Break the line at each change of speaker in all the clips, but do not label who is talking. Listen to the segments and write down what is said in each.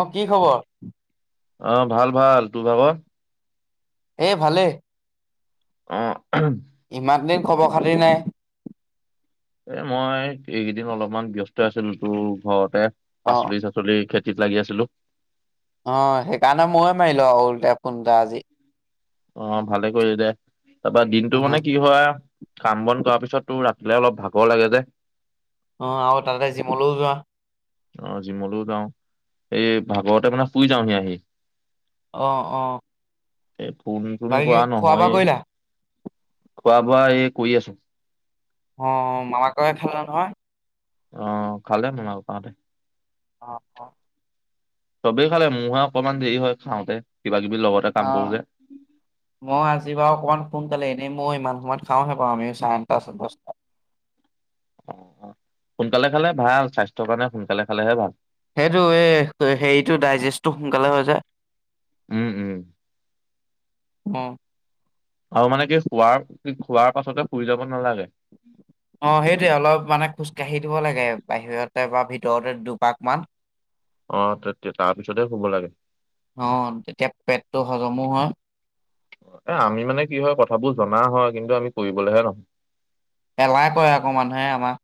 অ কি খবৰ?
আহ ভাল ভাল। তোৰ ভাগৰ?
এ ভালে।
অ।
ইমান দিন খবৰ খাতি নাই।
এ মই এইকেইদিন অলপমান ব্যস্ত আছিলো তোৰ ঘৰতে।
অ
পাচলি চাচলি খে ত লাগি আছিলো।
অ সেইকাৰণে ময়ে মাৰিলো আৰু উলটাই ফোনটা আজি।
অ ভালে কৰিলি দে। তাৰপৰা
অ
দিনতটো মানে কি হয় কাম বন কৰা পিছত তোৰ ৰাখিলে অলপ ভাগৰ লাগে যে।
অঁ আৰু তাতে জিমলৈও যোৱা
অঁ জিমলৈও যাওঁ এই ভাগৰতে মানে শুই যাওঁহি আহি
অঁহ অঁ।
এ ফোন চণ কৰা নহয়ে
কৰিলা
খোৱা বোৱা এ কৰি আছো।
অঁ মামাকয়ে খালা নহয়।
অঁ খালে মামাক তাহতে
অঁ অঁ
চবেই খালে মোহে অকনমান দেৰি হয় খাওঁতে কিবা। কিবি লগতে কাম কৰো
অঁ
যে
মই আজি বাৰু অকমান সোনকালে এনেই মই ইমান সমত খাওঁহে বাওঁ আমি চাৰেনটা দহটা
অঁ সোনকালে খালে ভাল স্বাস্থ্যৰ কাৰণে সোনকালে খালেহে ভাল
সেইটো এই হেৰিটো ডাইজেষ্টটো সোনকালে হৈ যায়
উম উম
অঁ
আৰু মানে কি খোৱাৰ খোৱাৰ পাছতে শুই যাব নালাগে
অঁ সেইটোৱেই অলপ মানে খোজকাঢ়ি দিব লাগে বাহিৰতে বা ভিতৰতে দুপাক মান
অঁ তে তাৰপিছতে শুব লাগে
অঁ তেতিয়া পেটটো হজমো হয়
এ আমি মানে কি হয় কথাবোৰ জনা হয় কিন্তু আমি কৰিবলেহে নহয়
এলাহ কয় আকৌ মানুহে আমাক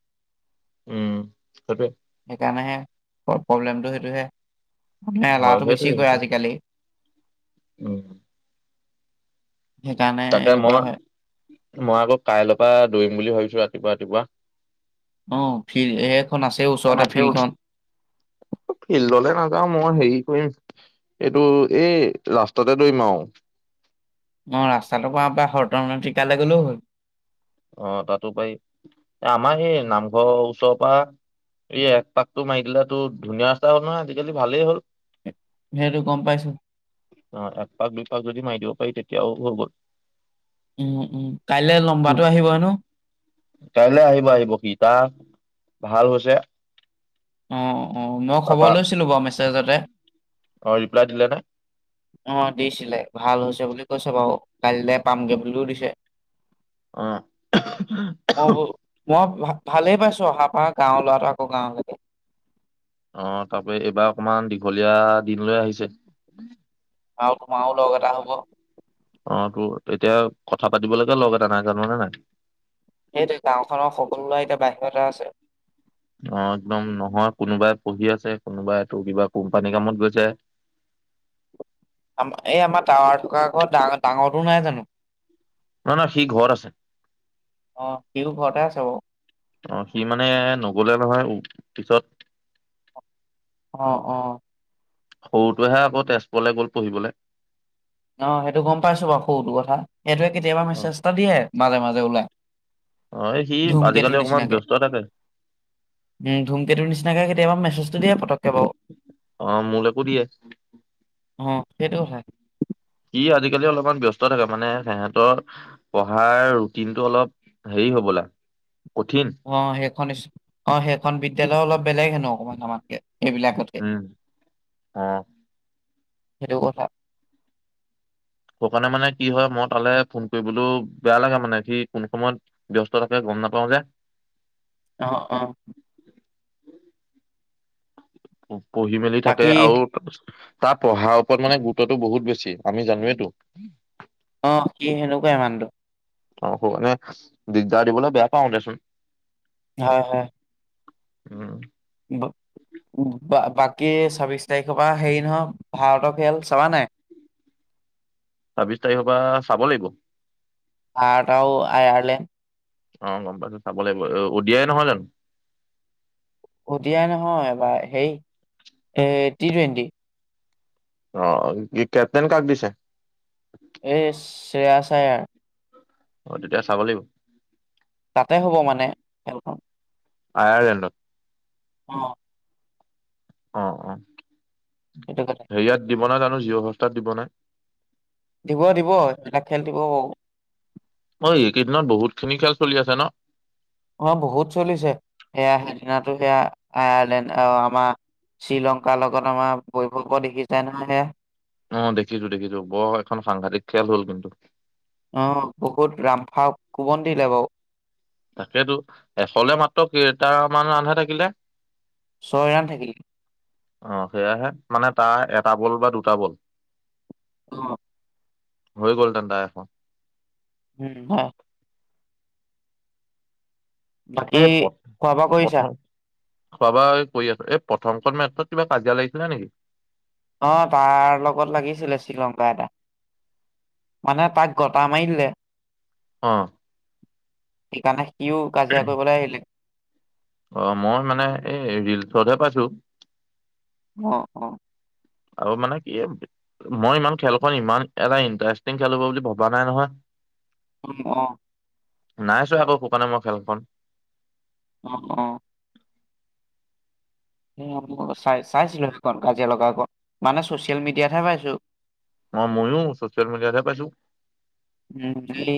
উম সেইটোৱে
সেইকাৰণেহে প্ৰব্লেমটো সেইটোহে মানে
হয়
এলাহটো বেছি
সেইটোৱে
কৱে অ
সেইটোৱে।
আজিকালি
উম
সেইকাৰণে
তাকে মই
এনেকোৱা হয়।
মই আকৌ কাইলৈৰ পৰা দৌৰিম বুলি ভাবিছো ৰাতিপুৱা
অ ফিল্ড সেইখন আছে
ৰাতিপুৱা
ওচৰতে ফিল্ডখন
ফিল্ডলে নাযাও মই হেৰি কৰিম এইটো এই ৰাষ্টাতে দৌৰিম আও
অ ৰাস্তাটো পৰা ঘৰত তাৰমানে তেতিয়ালে গলেও হল
অঁ তাতো পাৰি এ আমাৰ সেই নামঘৰৰ ওচৰৰ পৰা এই এক পাকটো মাৰি দিলো ধুনীয়া ৰাস্তা হ'ল নহয় আজিকালি ভালেই হ'ল
সেইটো গম পাইছো
অঁ একপাক দুই পাক যদি মাৰি দিব পাৰি তেতিয়াও হৈ গ'ল
উম উম কাইলৈ লম্বাতো আহিব হেনো
কাইলৈ আহিব আহিব সি তা ভাল হৈছে
অঁ অঁ মই খবৰ লৈছিলো বাও মেছেজতে
অঁ ৰিপ্লাই দিলে নে
অঁ দিছিলে ভাল হৈছে বুলি কৈছে বাৰু কালিল পামগে বুলিও দিছে
অ অ
অঁ ব মই ভ ভালেই পাইছো অহা পা গাৱৰ লৰাটো আকৌ গাঁৱলৈকে
অ তাৰপৰা এইবাৰ অকমান দীঘলীয়া দিন লৈ আহিছে।
আৰু তোমাৰো লগ এটা হব।
তেতিয়া কথা পাতিব লৈকে লগ এতা নাই জান নে নাই।
সেইটোৱেই গাঁওখনৰ সকলো ল'ৰা এতিয়া বাহিৰতে আছে।
অ একদম নহয় কোনোবাই পঢ়ি আছে কোনোবাই তোৰ কিবা কোম্পানী কামত গৈছে।
আমা এই আমাৰ টাৱাৰ থকা ঘৰত ডাঙ ডাঙৰো নাই জানো?
নহয় নহয় সি ঘৰত আছে
অ সিও ঘৰতে আছে বাৰু।
।অ সি মানে নগলে নহয়। পিছত
অ অ।
সৰুটোৱেহে আকৌ তেজপুৰলৈ গ'ল পঢ়িবলৈ।
অ সেইটো গম পাইছো বাৰু সৰুটো কথা সেইটোৱে কেতিয়াবা
অ
মেছেজটা দিয়ে মাজে মাজে। ওলায়।
অ সি আজিকালি
ধুমকেতুৰ
অকমান
নিচিনাকে
ব্যস্ত থাকে
।উম ধুমকেতুৰ নিচিনাকে। তেওঁৰ মেজটো দিয়ে। বাৰু
অ মোলেকো দিয়ে।
সেইটোৱেই কথা।
সি আজিকালি অলপমান ব্যস্ত থাকে মানে সিহঁতৰ পঢ়াৰ ৰুটিনটো অলপ হেৰি হবলা। কঠিন
অ সেইখন স্কুল অ সেই। এ বিদ্যালয় অলপ বেলেগ হেনু অকণমান আমাতকৈ এইবিলাকতকে
উম। অ',
সেইটো কথা
সেই কাৰণে মানে কি হয় মই তালে ফোন কৰিবলৈ বেয়া লাগে মানে সি কোন সময়ত ব্যস্ত থাকে গম নাপাওঁ যে।
অ অ।
আ। পঢ়ি মেলি থাকে
বাকী
আৰু তাৰপিছত। তাৰ পঢ়াৰ ওপৰত মানে গুৰুত্ব টো বহুত বেছি আমি জানোৱেটো।
অ সি সেনেকুৱাই মানুহ টো।
আহ মানে দিগদাৰ দিবলৈ বেয়া পাওঁ দেচোন।
হয় হয়।
উম।
বাকী ছাব্বিশ তাৰিখ তাৰ পৰা হেৰি নহয় ভাৰতৰ খেল চাবা নাই
ছাব্বিশ তাৰিখৰ পৰা চাব লাগিব।
আয়াট আৰু আয়াৰলেণ্ড
অ গম পাইছো চাব লাগিব উদিয়াই নহয় জানো?
উদিয়াই নহয় এইবাৰ হেই এ টি টুৱেণ্টি।
অ কি কেপ্তেইন কাক দিছে।
এই শ্ৰেয়া চায়াৰ
অ তেতিয়াহলে চাব লাগিব
তাতে হ'ব মানে খেলখন
অ জেনো
অ
অ অ
সেইটো কথা
সে ইয়াত দিব নাই জানো জিঅ হত ষ্টাৰত দিব নাই
দিব দিব সেইবিলাক খেল দিব বাও
অ এইকেইদিনত বহুত খিনি খেল চলি আছে ন
অ বহুত চলিছে সেয়া সেইদিনাতো সেয়া আয়াৰলেণ্ড অহ আমাৰ শ্ৰীলংকাৰ লগত আমাৰ বৈভক দেখি যায় নহয় সেয়া
অ দেখিছো দেখিছো বৰ এখন সাংঘাতিক খেল হল কিন্তু
অহ বহুত ৰামফা কোবন দিলে বাও
তাকেইেতো এশলে মাত্ৰ কেইটামান ৰাণ্ডহে থাকিলে
ছয় ৰাণ থাকিল
অ সেয়াহে মানে তাৰ এটা বল বা দুটা বল
অ
হৈ গল তেন্তে আক
উম হয় বাকী
এই প
খোৱা বোৱা কৰিছা
প্ৰথম খোৱা বোৱা কৰি আছো এই প্ৰথমখন মাত্ৰত কিবা কাজিয়া লাগিছিলে নেকি
অহ তাৰ লগত লাগিছিলে শ্ৰীলংকা এটা মানে তাক গটা মাৰি দিলে
অ
সেইকাৰণে সিও কাজিয়া কৰিবলৈ আহিলে
অ মই মানে এই ৰিলচতহে পাইছো
অ অ
আৰু মানে কি মই ইমান খেলখন ইমান এটা ইণ্টাৰেষ্টিং খেল হব বুলি ভবা নাই নহয়
উম অ
নাইছোৱা আকৌ শুকানামৰ খেলখন
অ অ চাই চাইছিলো সেইকণ কাজিয়া লগাক মানে চচিয়েল মিডিয়াতহে পাইছো
অ ময়ো চচিয়েল মিডিয়াতহে পাইছো
উ এই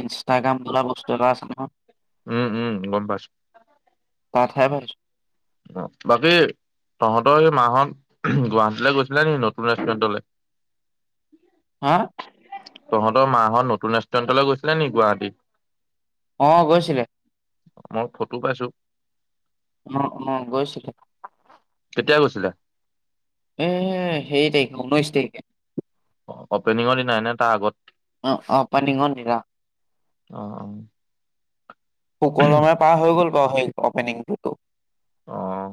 ইনষ্টাগ্ৰাম বোলা বস্তু এটা আছে ন
উম উম গম পাইছো
কাত হয় বাই
অ বাকী তহঁতৰ এইমাহত গুৱাহাটীলৈ গৈছিলা নেকি নতুন ৰেষ্টুৰেণ্টলৈ
হা
তহঁতৰ মাহঁত নতুন ৰেষ্টুৰেণ্টলৈ গৈছিলে নি গুৱাহাটী
অ গৈছিলে
মই ফটো পাইছো
অ অ গৈছিলো
কেতিয়া গৈছিলা
এ সেই তাৰিখে ঊনৈশ তাৰিখে
অ অপেনিঙৰ দিনাই নে তাৰ আগত
অ অপনিঙৰ দিনা
অহ অহ
সুকলমে পাৰ হৈ গ'ল বাৰু সেই অপেনিংটোতো
অহ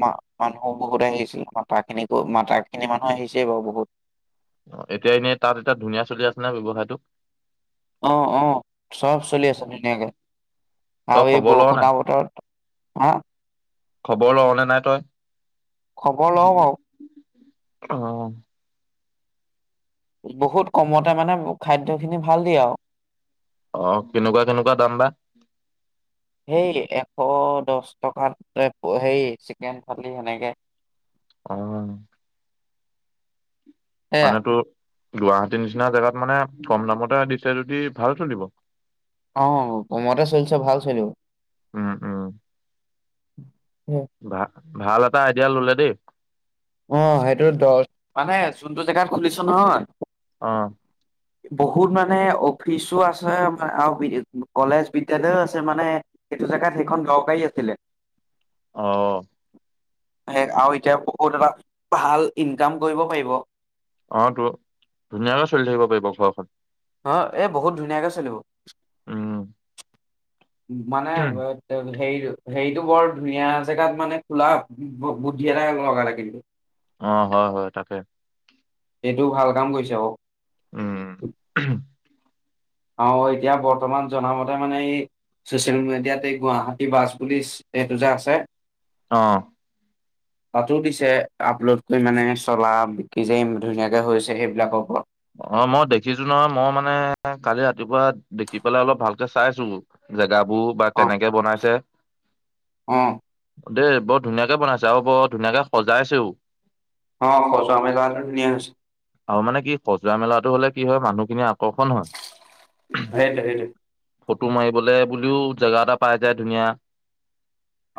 মা মানুহো বহুত আহিছিল মাতা খিনি মাতা খিনি মানুহ আহিছেই বাও বহুত
অ এতিয়া এনেই তাত এটা ধুনীয়া চলি আছে ন ব্যৱসায়টো
অ অ চব চলি আছে ধুনীয়াকে
তই
আৰু এই
খবৰ লৱ
বৰষুন
নাই?
বতৰত
খবৰ লৱ নে নাই তই?
খবৰ লওঁ বাৰু
[inaudible] অ।
বহুত কমতে মানে খাদ্যখিনি ভাল দিয়ে আও।
অ কেনেকুৱা কেনেকুৱা দাম বা?
সেই এশ দছ টকাত এ প সেয়ি চিকেন ফালি সেনেকে।
অ।
সেয়া
মানেটো গুৱাহাটীৰ নিচিনা জেগাত মানে কম দামতে দিছে যদি ভালতো দিব
অ কমতে চলিছে ভাল চলিব
উম উম।
উ।
বা ভাল এটা আইডিয়া ললে দেই।
অ সেইটো দছ মানে যোনটো জেগাত খুলিছো নহয়
অ।
বহুত মানে অফিচো আছে আৰু বিদেসু কলেজ বিদ্যয়ালয়ও আছে মানে সেইটো জোগাত সেইখন দৰকাৰী আছিলে।
অহ।
সেই আৰু এতিয়া [unintelligible] এটা ভাল ইনকাম কৰিব পাৰিব।
অ তো ধুনীয়াকে চলি থাকিব পাৰিব ঘৰখন।
অ এ বহুত ধুনীয়াকে চলিব।
উম।
মানে [unintelligible] হেৰি হেৰিটো বৰ ধুনীয়া জেগাত মানে খোলা বু বুদ্ধি এটা লগালে কিন্তু।
অ হয় হয় তাকে।
এইটো ভাল কাম কৰিছে ঔ।
উম [inaudible]
আৰু এতিয়া বৰ্তমান জনামতে মানে এই চচিয়েল মিডিয়াত এই গুৱাহাটী বাছ বুলি এইটো যে আছে
অ।
তাতো দিছে আপলোড কৰি মানে চলা বিকি যেইম ধুনীয়াকে হৈছে সেইবিলাকৰ ওপৰত।
অ মই দেখিছো নহয় মই মানে কালি ৰাতিপুৱা দেখি পেলাই অলপ ভালকে চাইছো জেগা বো বা
অ
তেনেকে বনাইছে?
অ।
দেই বৰ ধুনীয়াকে বনাইছে আৰু বৰ ধুনীয়াকে সজাইছেও।
অ সজোৱা মেলা ধুনীয়া হৈছে।
অ মানে কি সজোৱা মেলাটো হলে কি হয় মানুহখিনিয়ে
সেইট সেইটো
ফটো মাৰিবলৈ বুলিও জোগা এটা পাই যায় ধুনীয়া।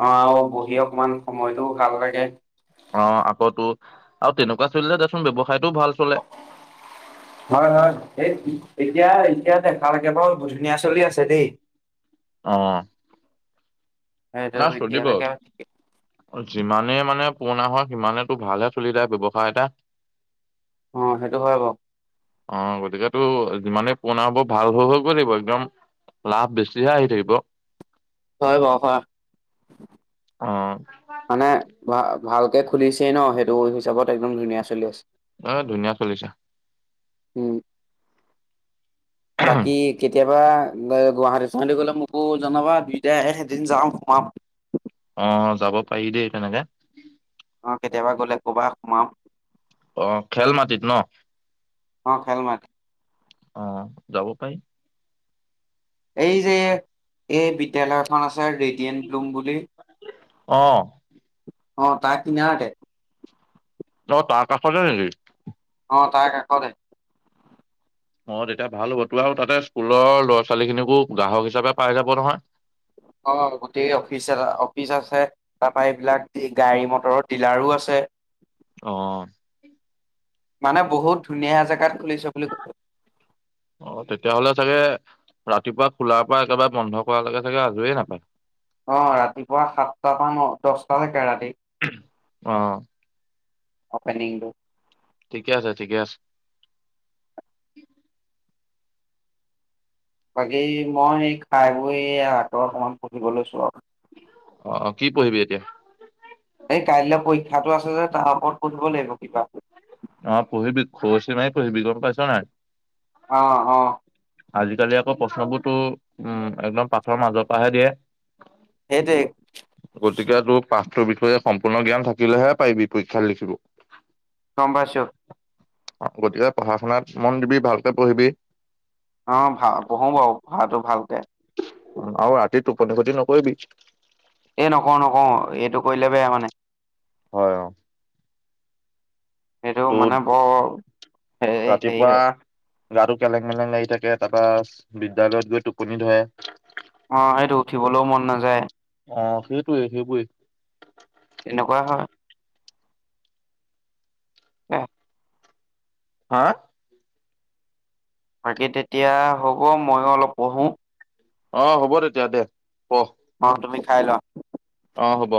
অ আৰু বহি অকমান সময়টো ভাল লাগে।
অ আকতো আৰু তেনেকুৱা চলিল যে দেচোন বেৱহ
হয় হয়। সেই এতিয়া এতিয়া দেখালেকে বাৰু বৰ ধুনীয়া চলি আছে দেই।
অ'।
সেইটো
না চলিব,
এতিয়ালৈকে ঠিকে।
যিমান যিমানে মানে পুৰণা হয়, সিমানেটো ভালহে চলি যায় ব্যৱসায় এটা।
অ' সেইটো হয় বাৰু।
অ' গতিকেতো যিমানেই পুৰণা হ'ব, ভাল হৈ হৈ গৈ থাকিবম একদম লাভ বেছিহে আহি থাকিব।
হয় বাৰু, হয়।
অ'
মানে, ভা ভালকে খুলিছেই ন? সেইটো হিচাপত একদম ধুনীয়া চলি আছে।
অ' ধুনীয়া চলিছে।
উম। বাকী কেতিয়া? বা গুৱাহাটী-চোৱাহাটী গ'লে মোকো জনাবা, দুইটাই এদিন যাওঁ ঘুমাম।
অ' যাব পাৰি দেই তেনেকে।
অ' কেতিয়াবা গ'লে ক'বা সোমাম।
অ' খেলমাটিত ন?
অ' খেলমাটি
অ' যাব পাৰি।
এই যে, এই বিদ্যালয় এখন আছে। ছাৰ ৰেডিয়েণ্ট ব্লুম বুলি
অ'।
অ' তাৰ কিনাৰতে।
অ' তাৰ কাষতে নেকি?
অ' তাৰ কাষতে।
অ' তেতিয়া ভাল হ'ব, তোৰ আৰু তাতে স্কুলৰ ল'ৰা-ছোৱালীখিনিকো গ্ৰাহক হিচাপে পাই যাব নহয়!
অ' গোটেই অফিচ এটা, অফিচ আছে, তাৰপা এইবিলাক গাড়ী-মটৰৰ ডিলাৰো আছে।
অ'।
মানে বহুত ধুনীয়া জেগাত খুলিছে বুলি
অ' তেতিয়াহ'লে চাগে ৰাতিপুৱা খোলাৰ পৰা একেবাৰে বন্ধ কৰালৈকে চাগে আজৰিয়ে নাপায়।
অ' ৰাতিপুৱা সাতটা পৰা ন-দশটালৈকে ৰাতি।
অ'।
অপেনিঙটো
ঠিকে আছে, ঠিকে আছে।
বাকী মই, এই খাই বৈ আকৌ অকমান পঢ়িব লৈছো আৰু।
অ' কি পঢ়িবি এতিয়া?
এই কাইলৈ পৰীক্ষাটো আছে যে, তাৰ ওপৰত পঢ়িব লাগিব কিবা।
অ' পঢ়িবি, খৰচি মাৰি পঢ়িবি গম পাইছ নাই?
অ' অ'।
আজিকালি আকৌ প্ৰশ্নবোৰতো, উম। একদম পাঠৰ মাজৰ পৰাহে দিয়ে,
সেইটোৱে
গতিকে তোৰ পাঠ তোৰ বিষয়ে সম্পূৰ্ণ জ্ঞান থাকিলেহে পাৰিবি, পৰীক্ষাত লিখিব।
গম পাইছোঁ
গতিকে পঢ়া শুনাত মন দিবি ভালকে পঢ়িবি
অ পঢ়ো বাও পঢ়াটো ভালকে
আও ৰাতি টোপনি খতি নকৰিবি
এ নকওঁ নকওঁ এইটো কৰিলে বেয়া মানে
হয়
সেইটো
তোৰ
মানে বৰ হেৰি
ৰাতিপুৱা
হয়
গাটো কেলেং মেলেং লাগি থাকে তাৰপৰা বিদ্যালয়ত গৈ টোপনি ধৰে
অ সেইটো উঠিবলও মন নাযায়
অ সেইটোৱে সেইবোৰে
তেনেকুৱা হয় অহ
হাআ
বাকী তেতিয়া হ'ব ময়ো অলপ পঢ়ো
অ হ'ব তেতিয়া দে প
অ তুমি খায় লোৱা
অ হ'ব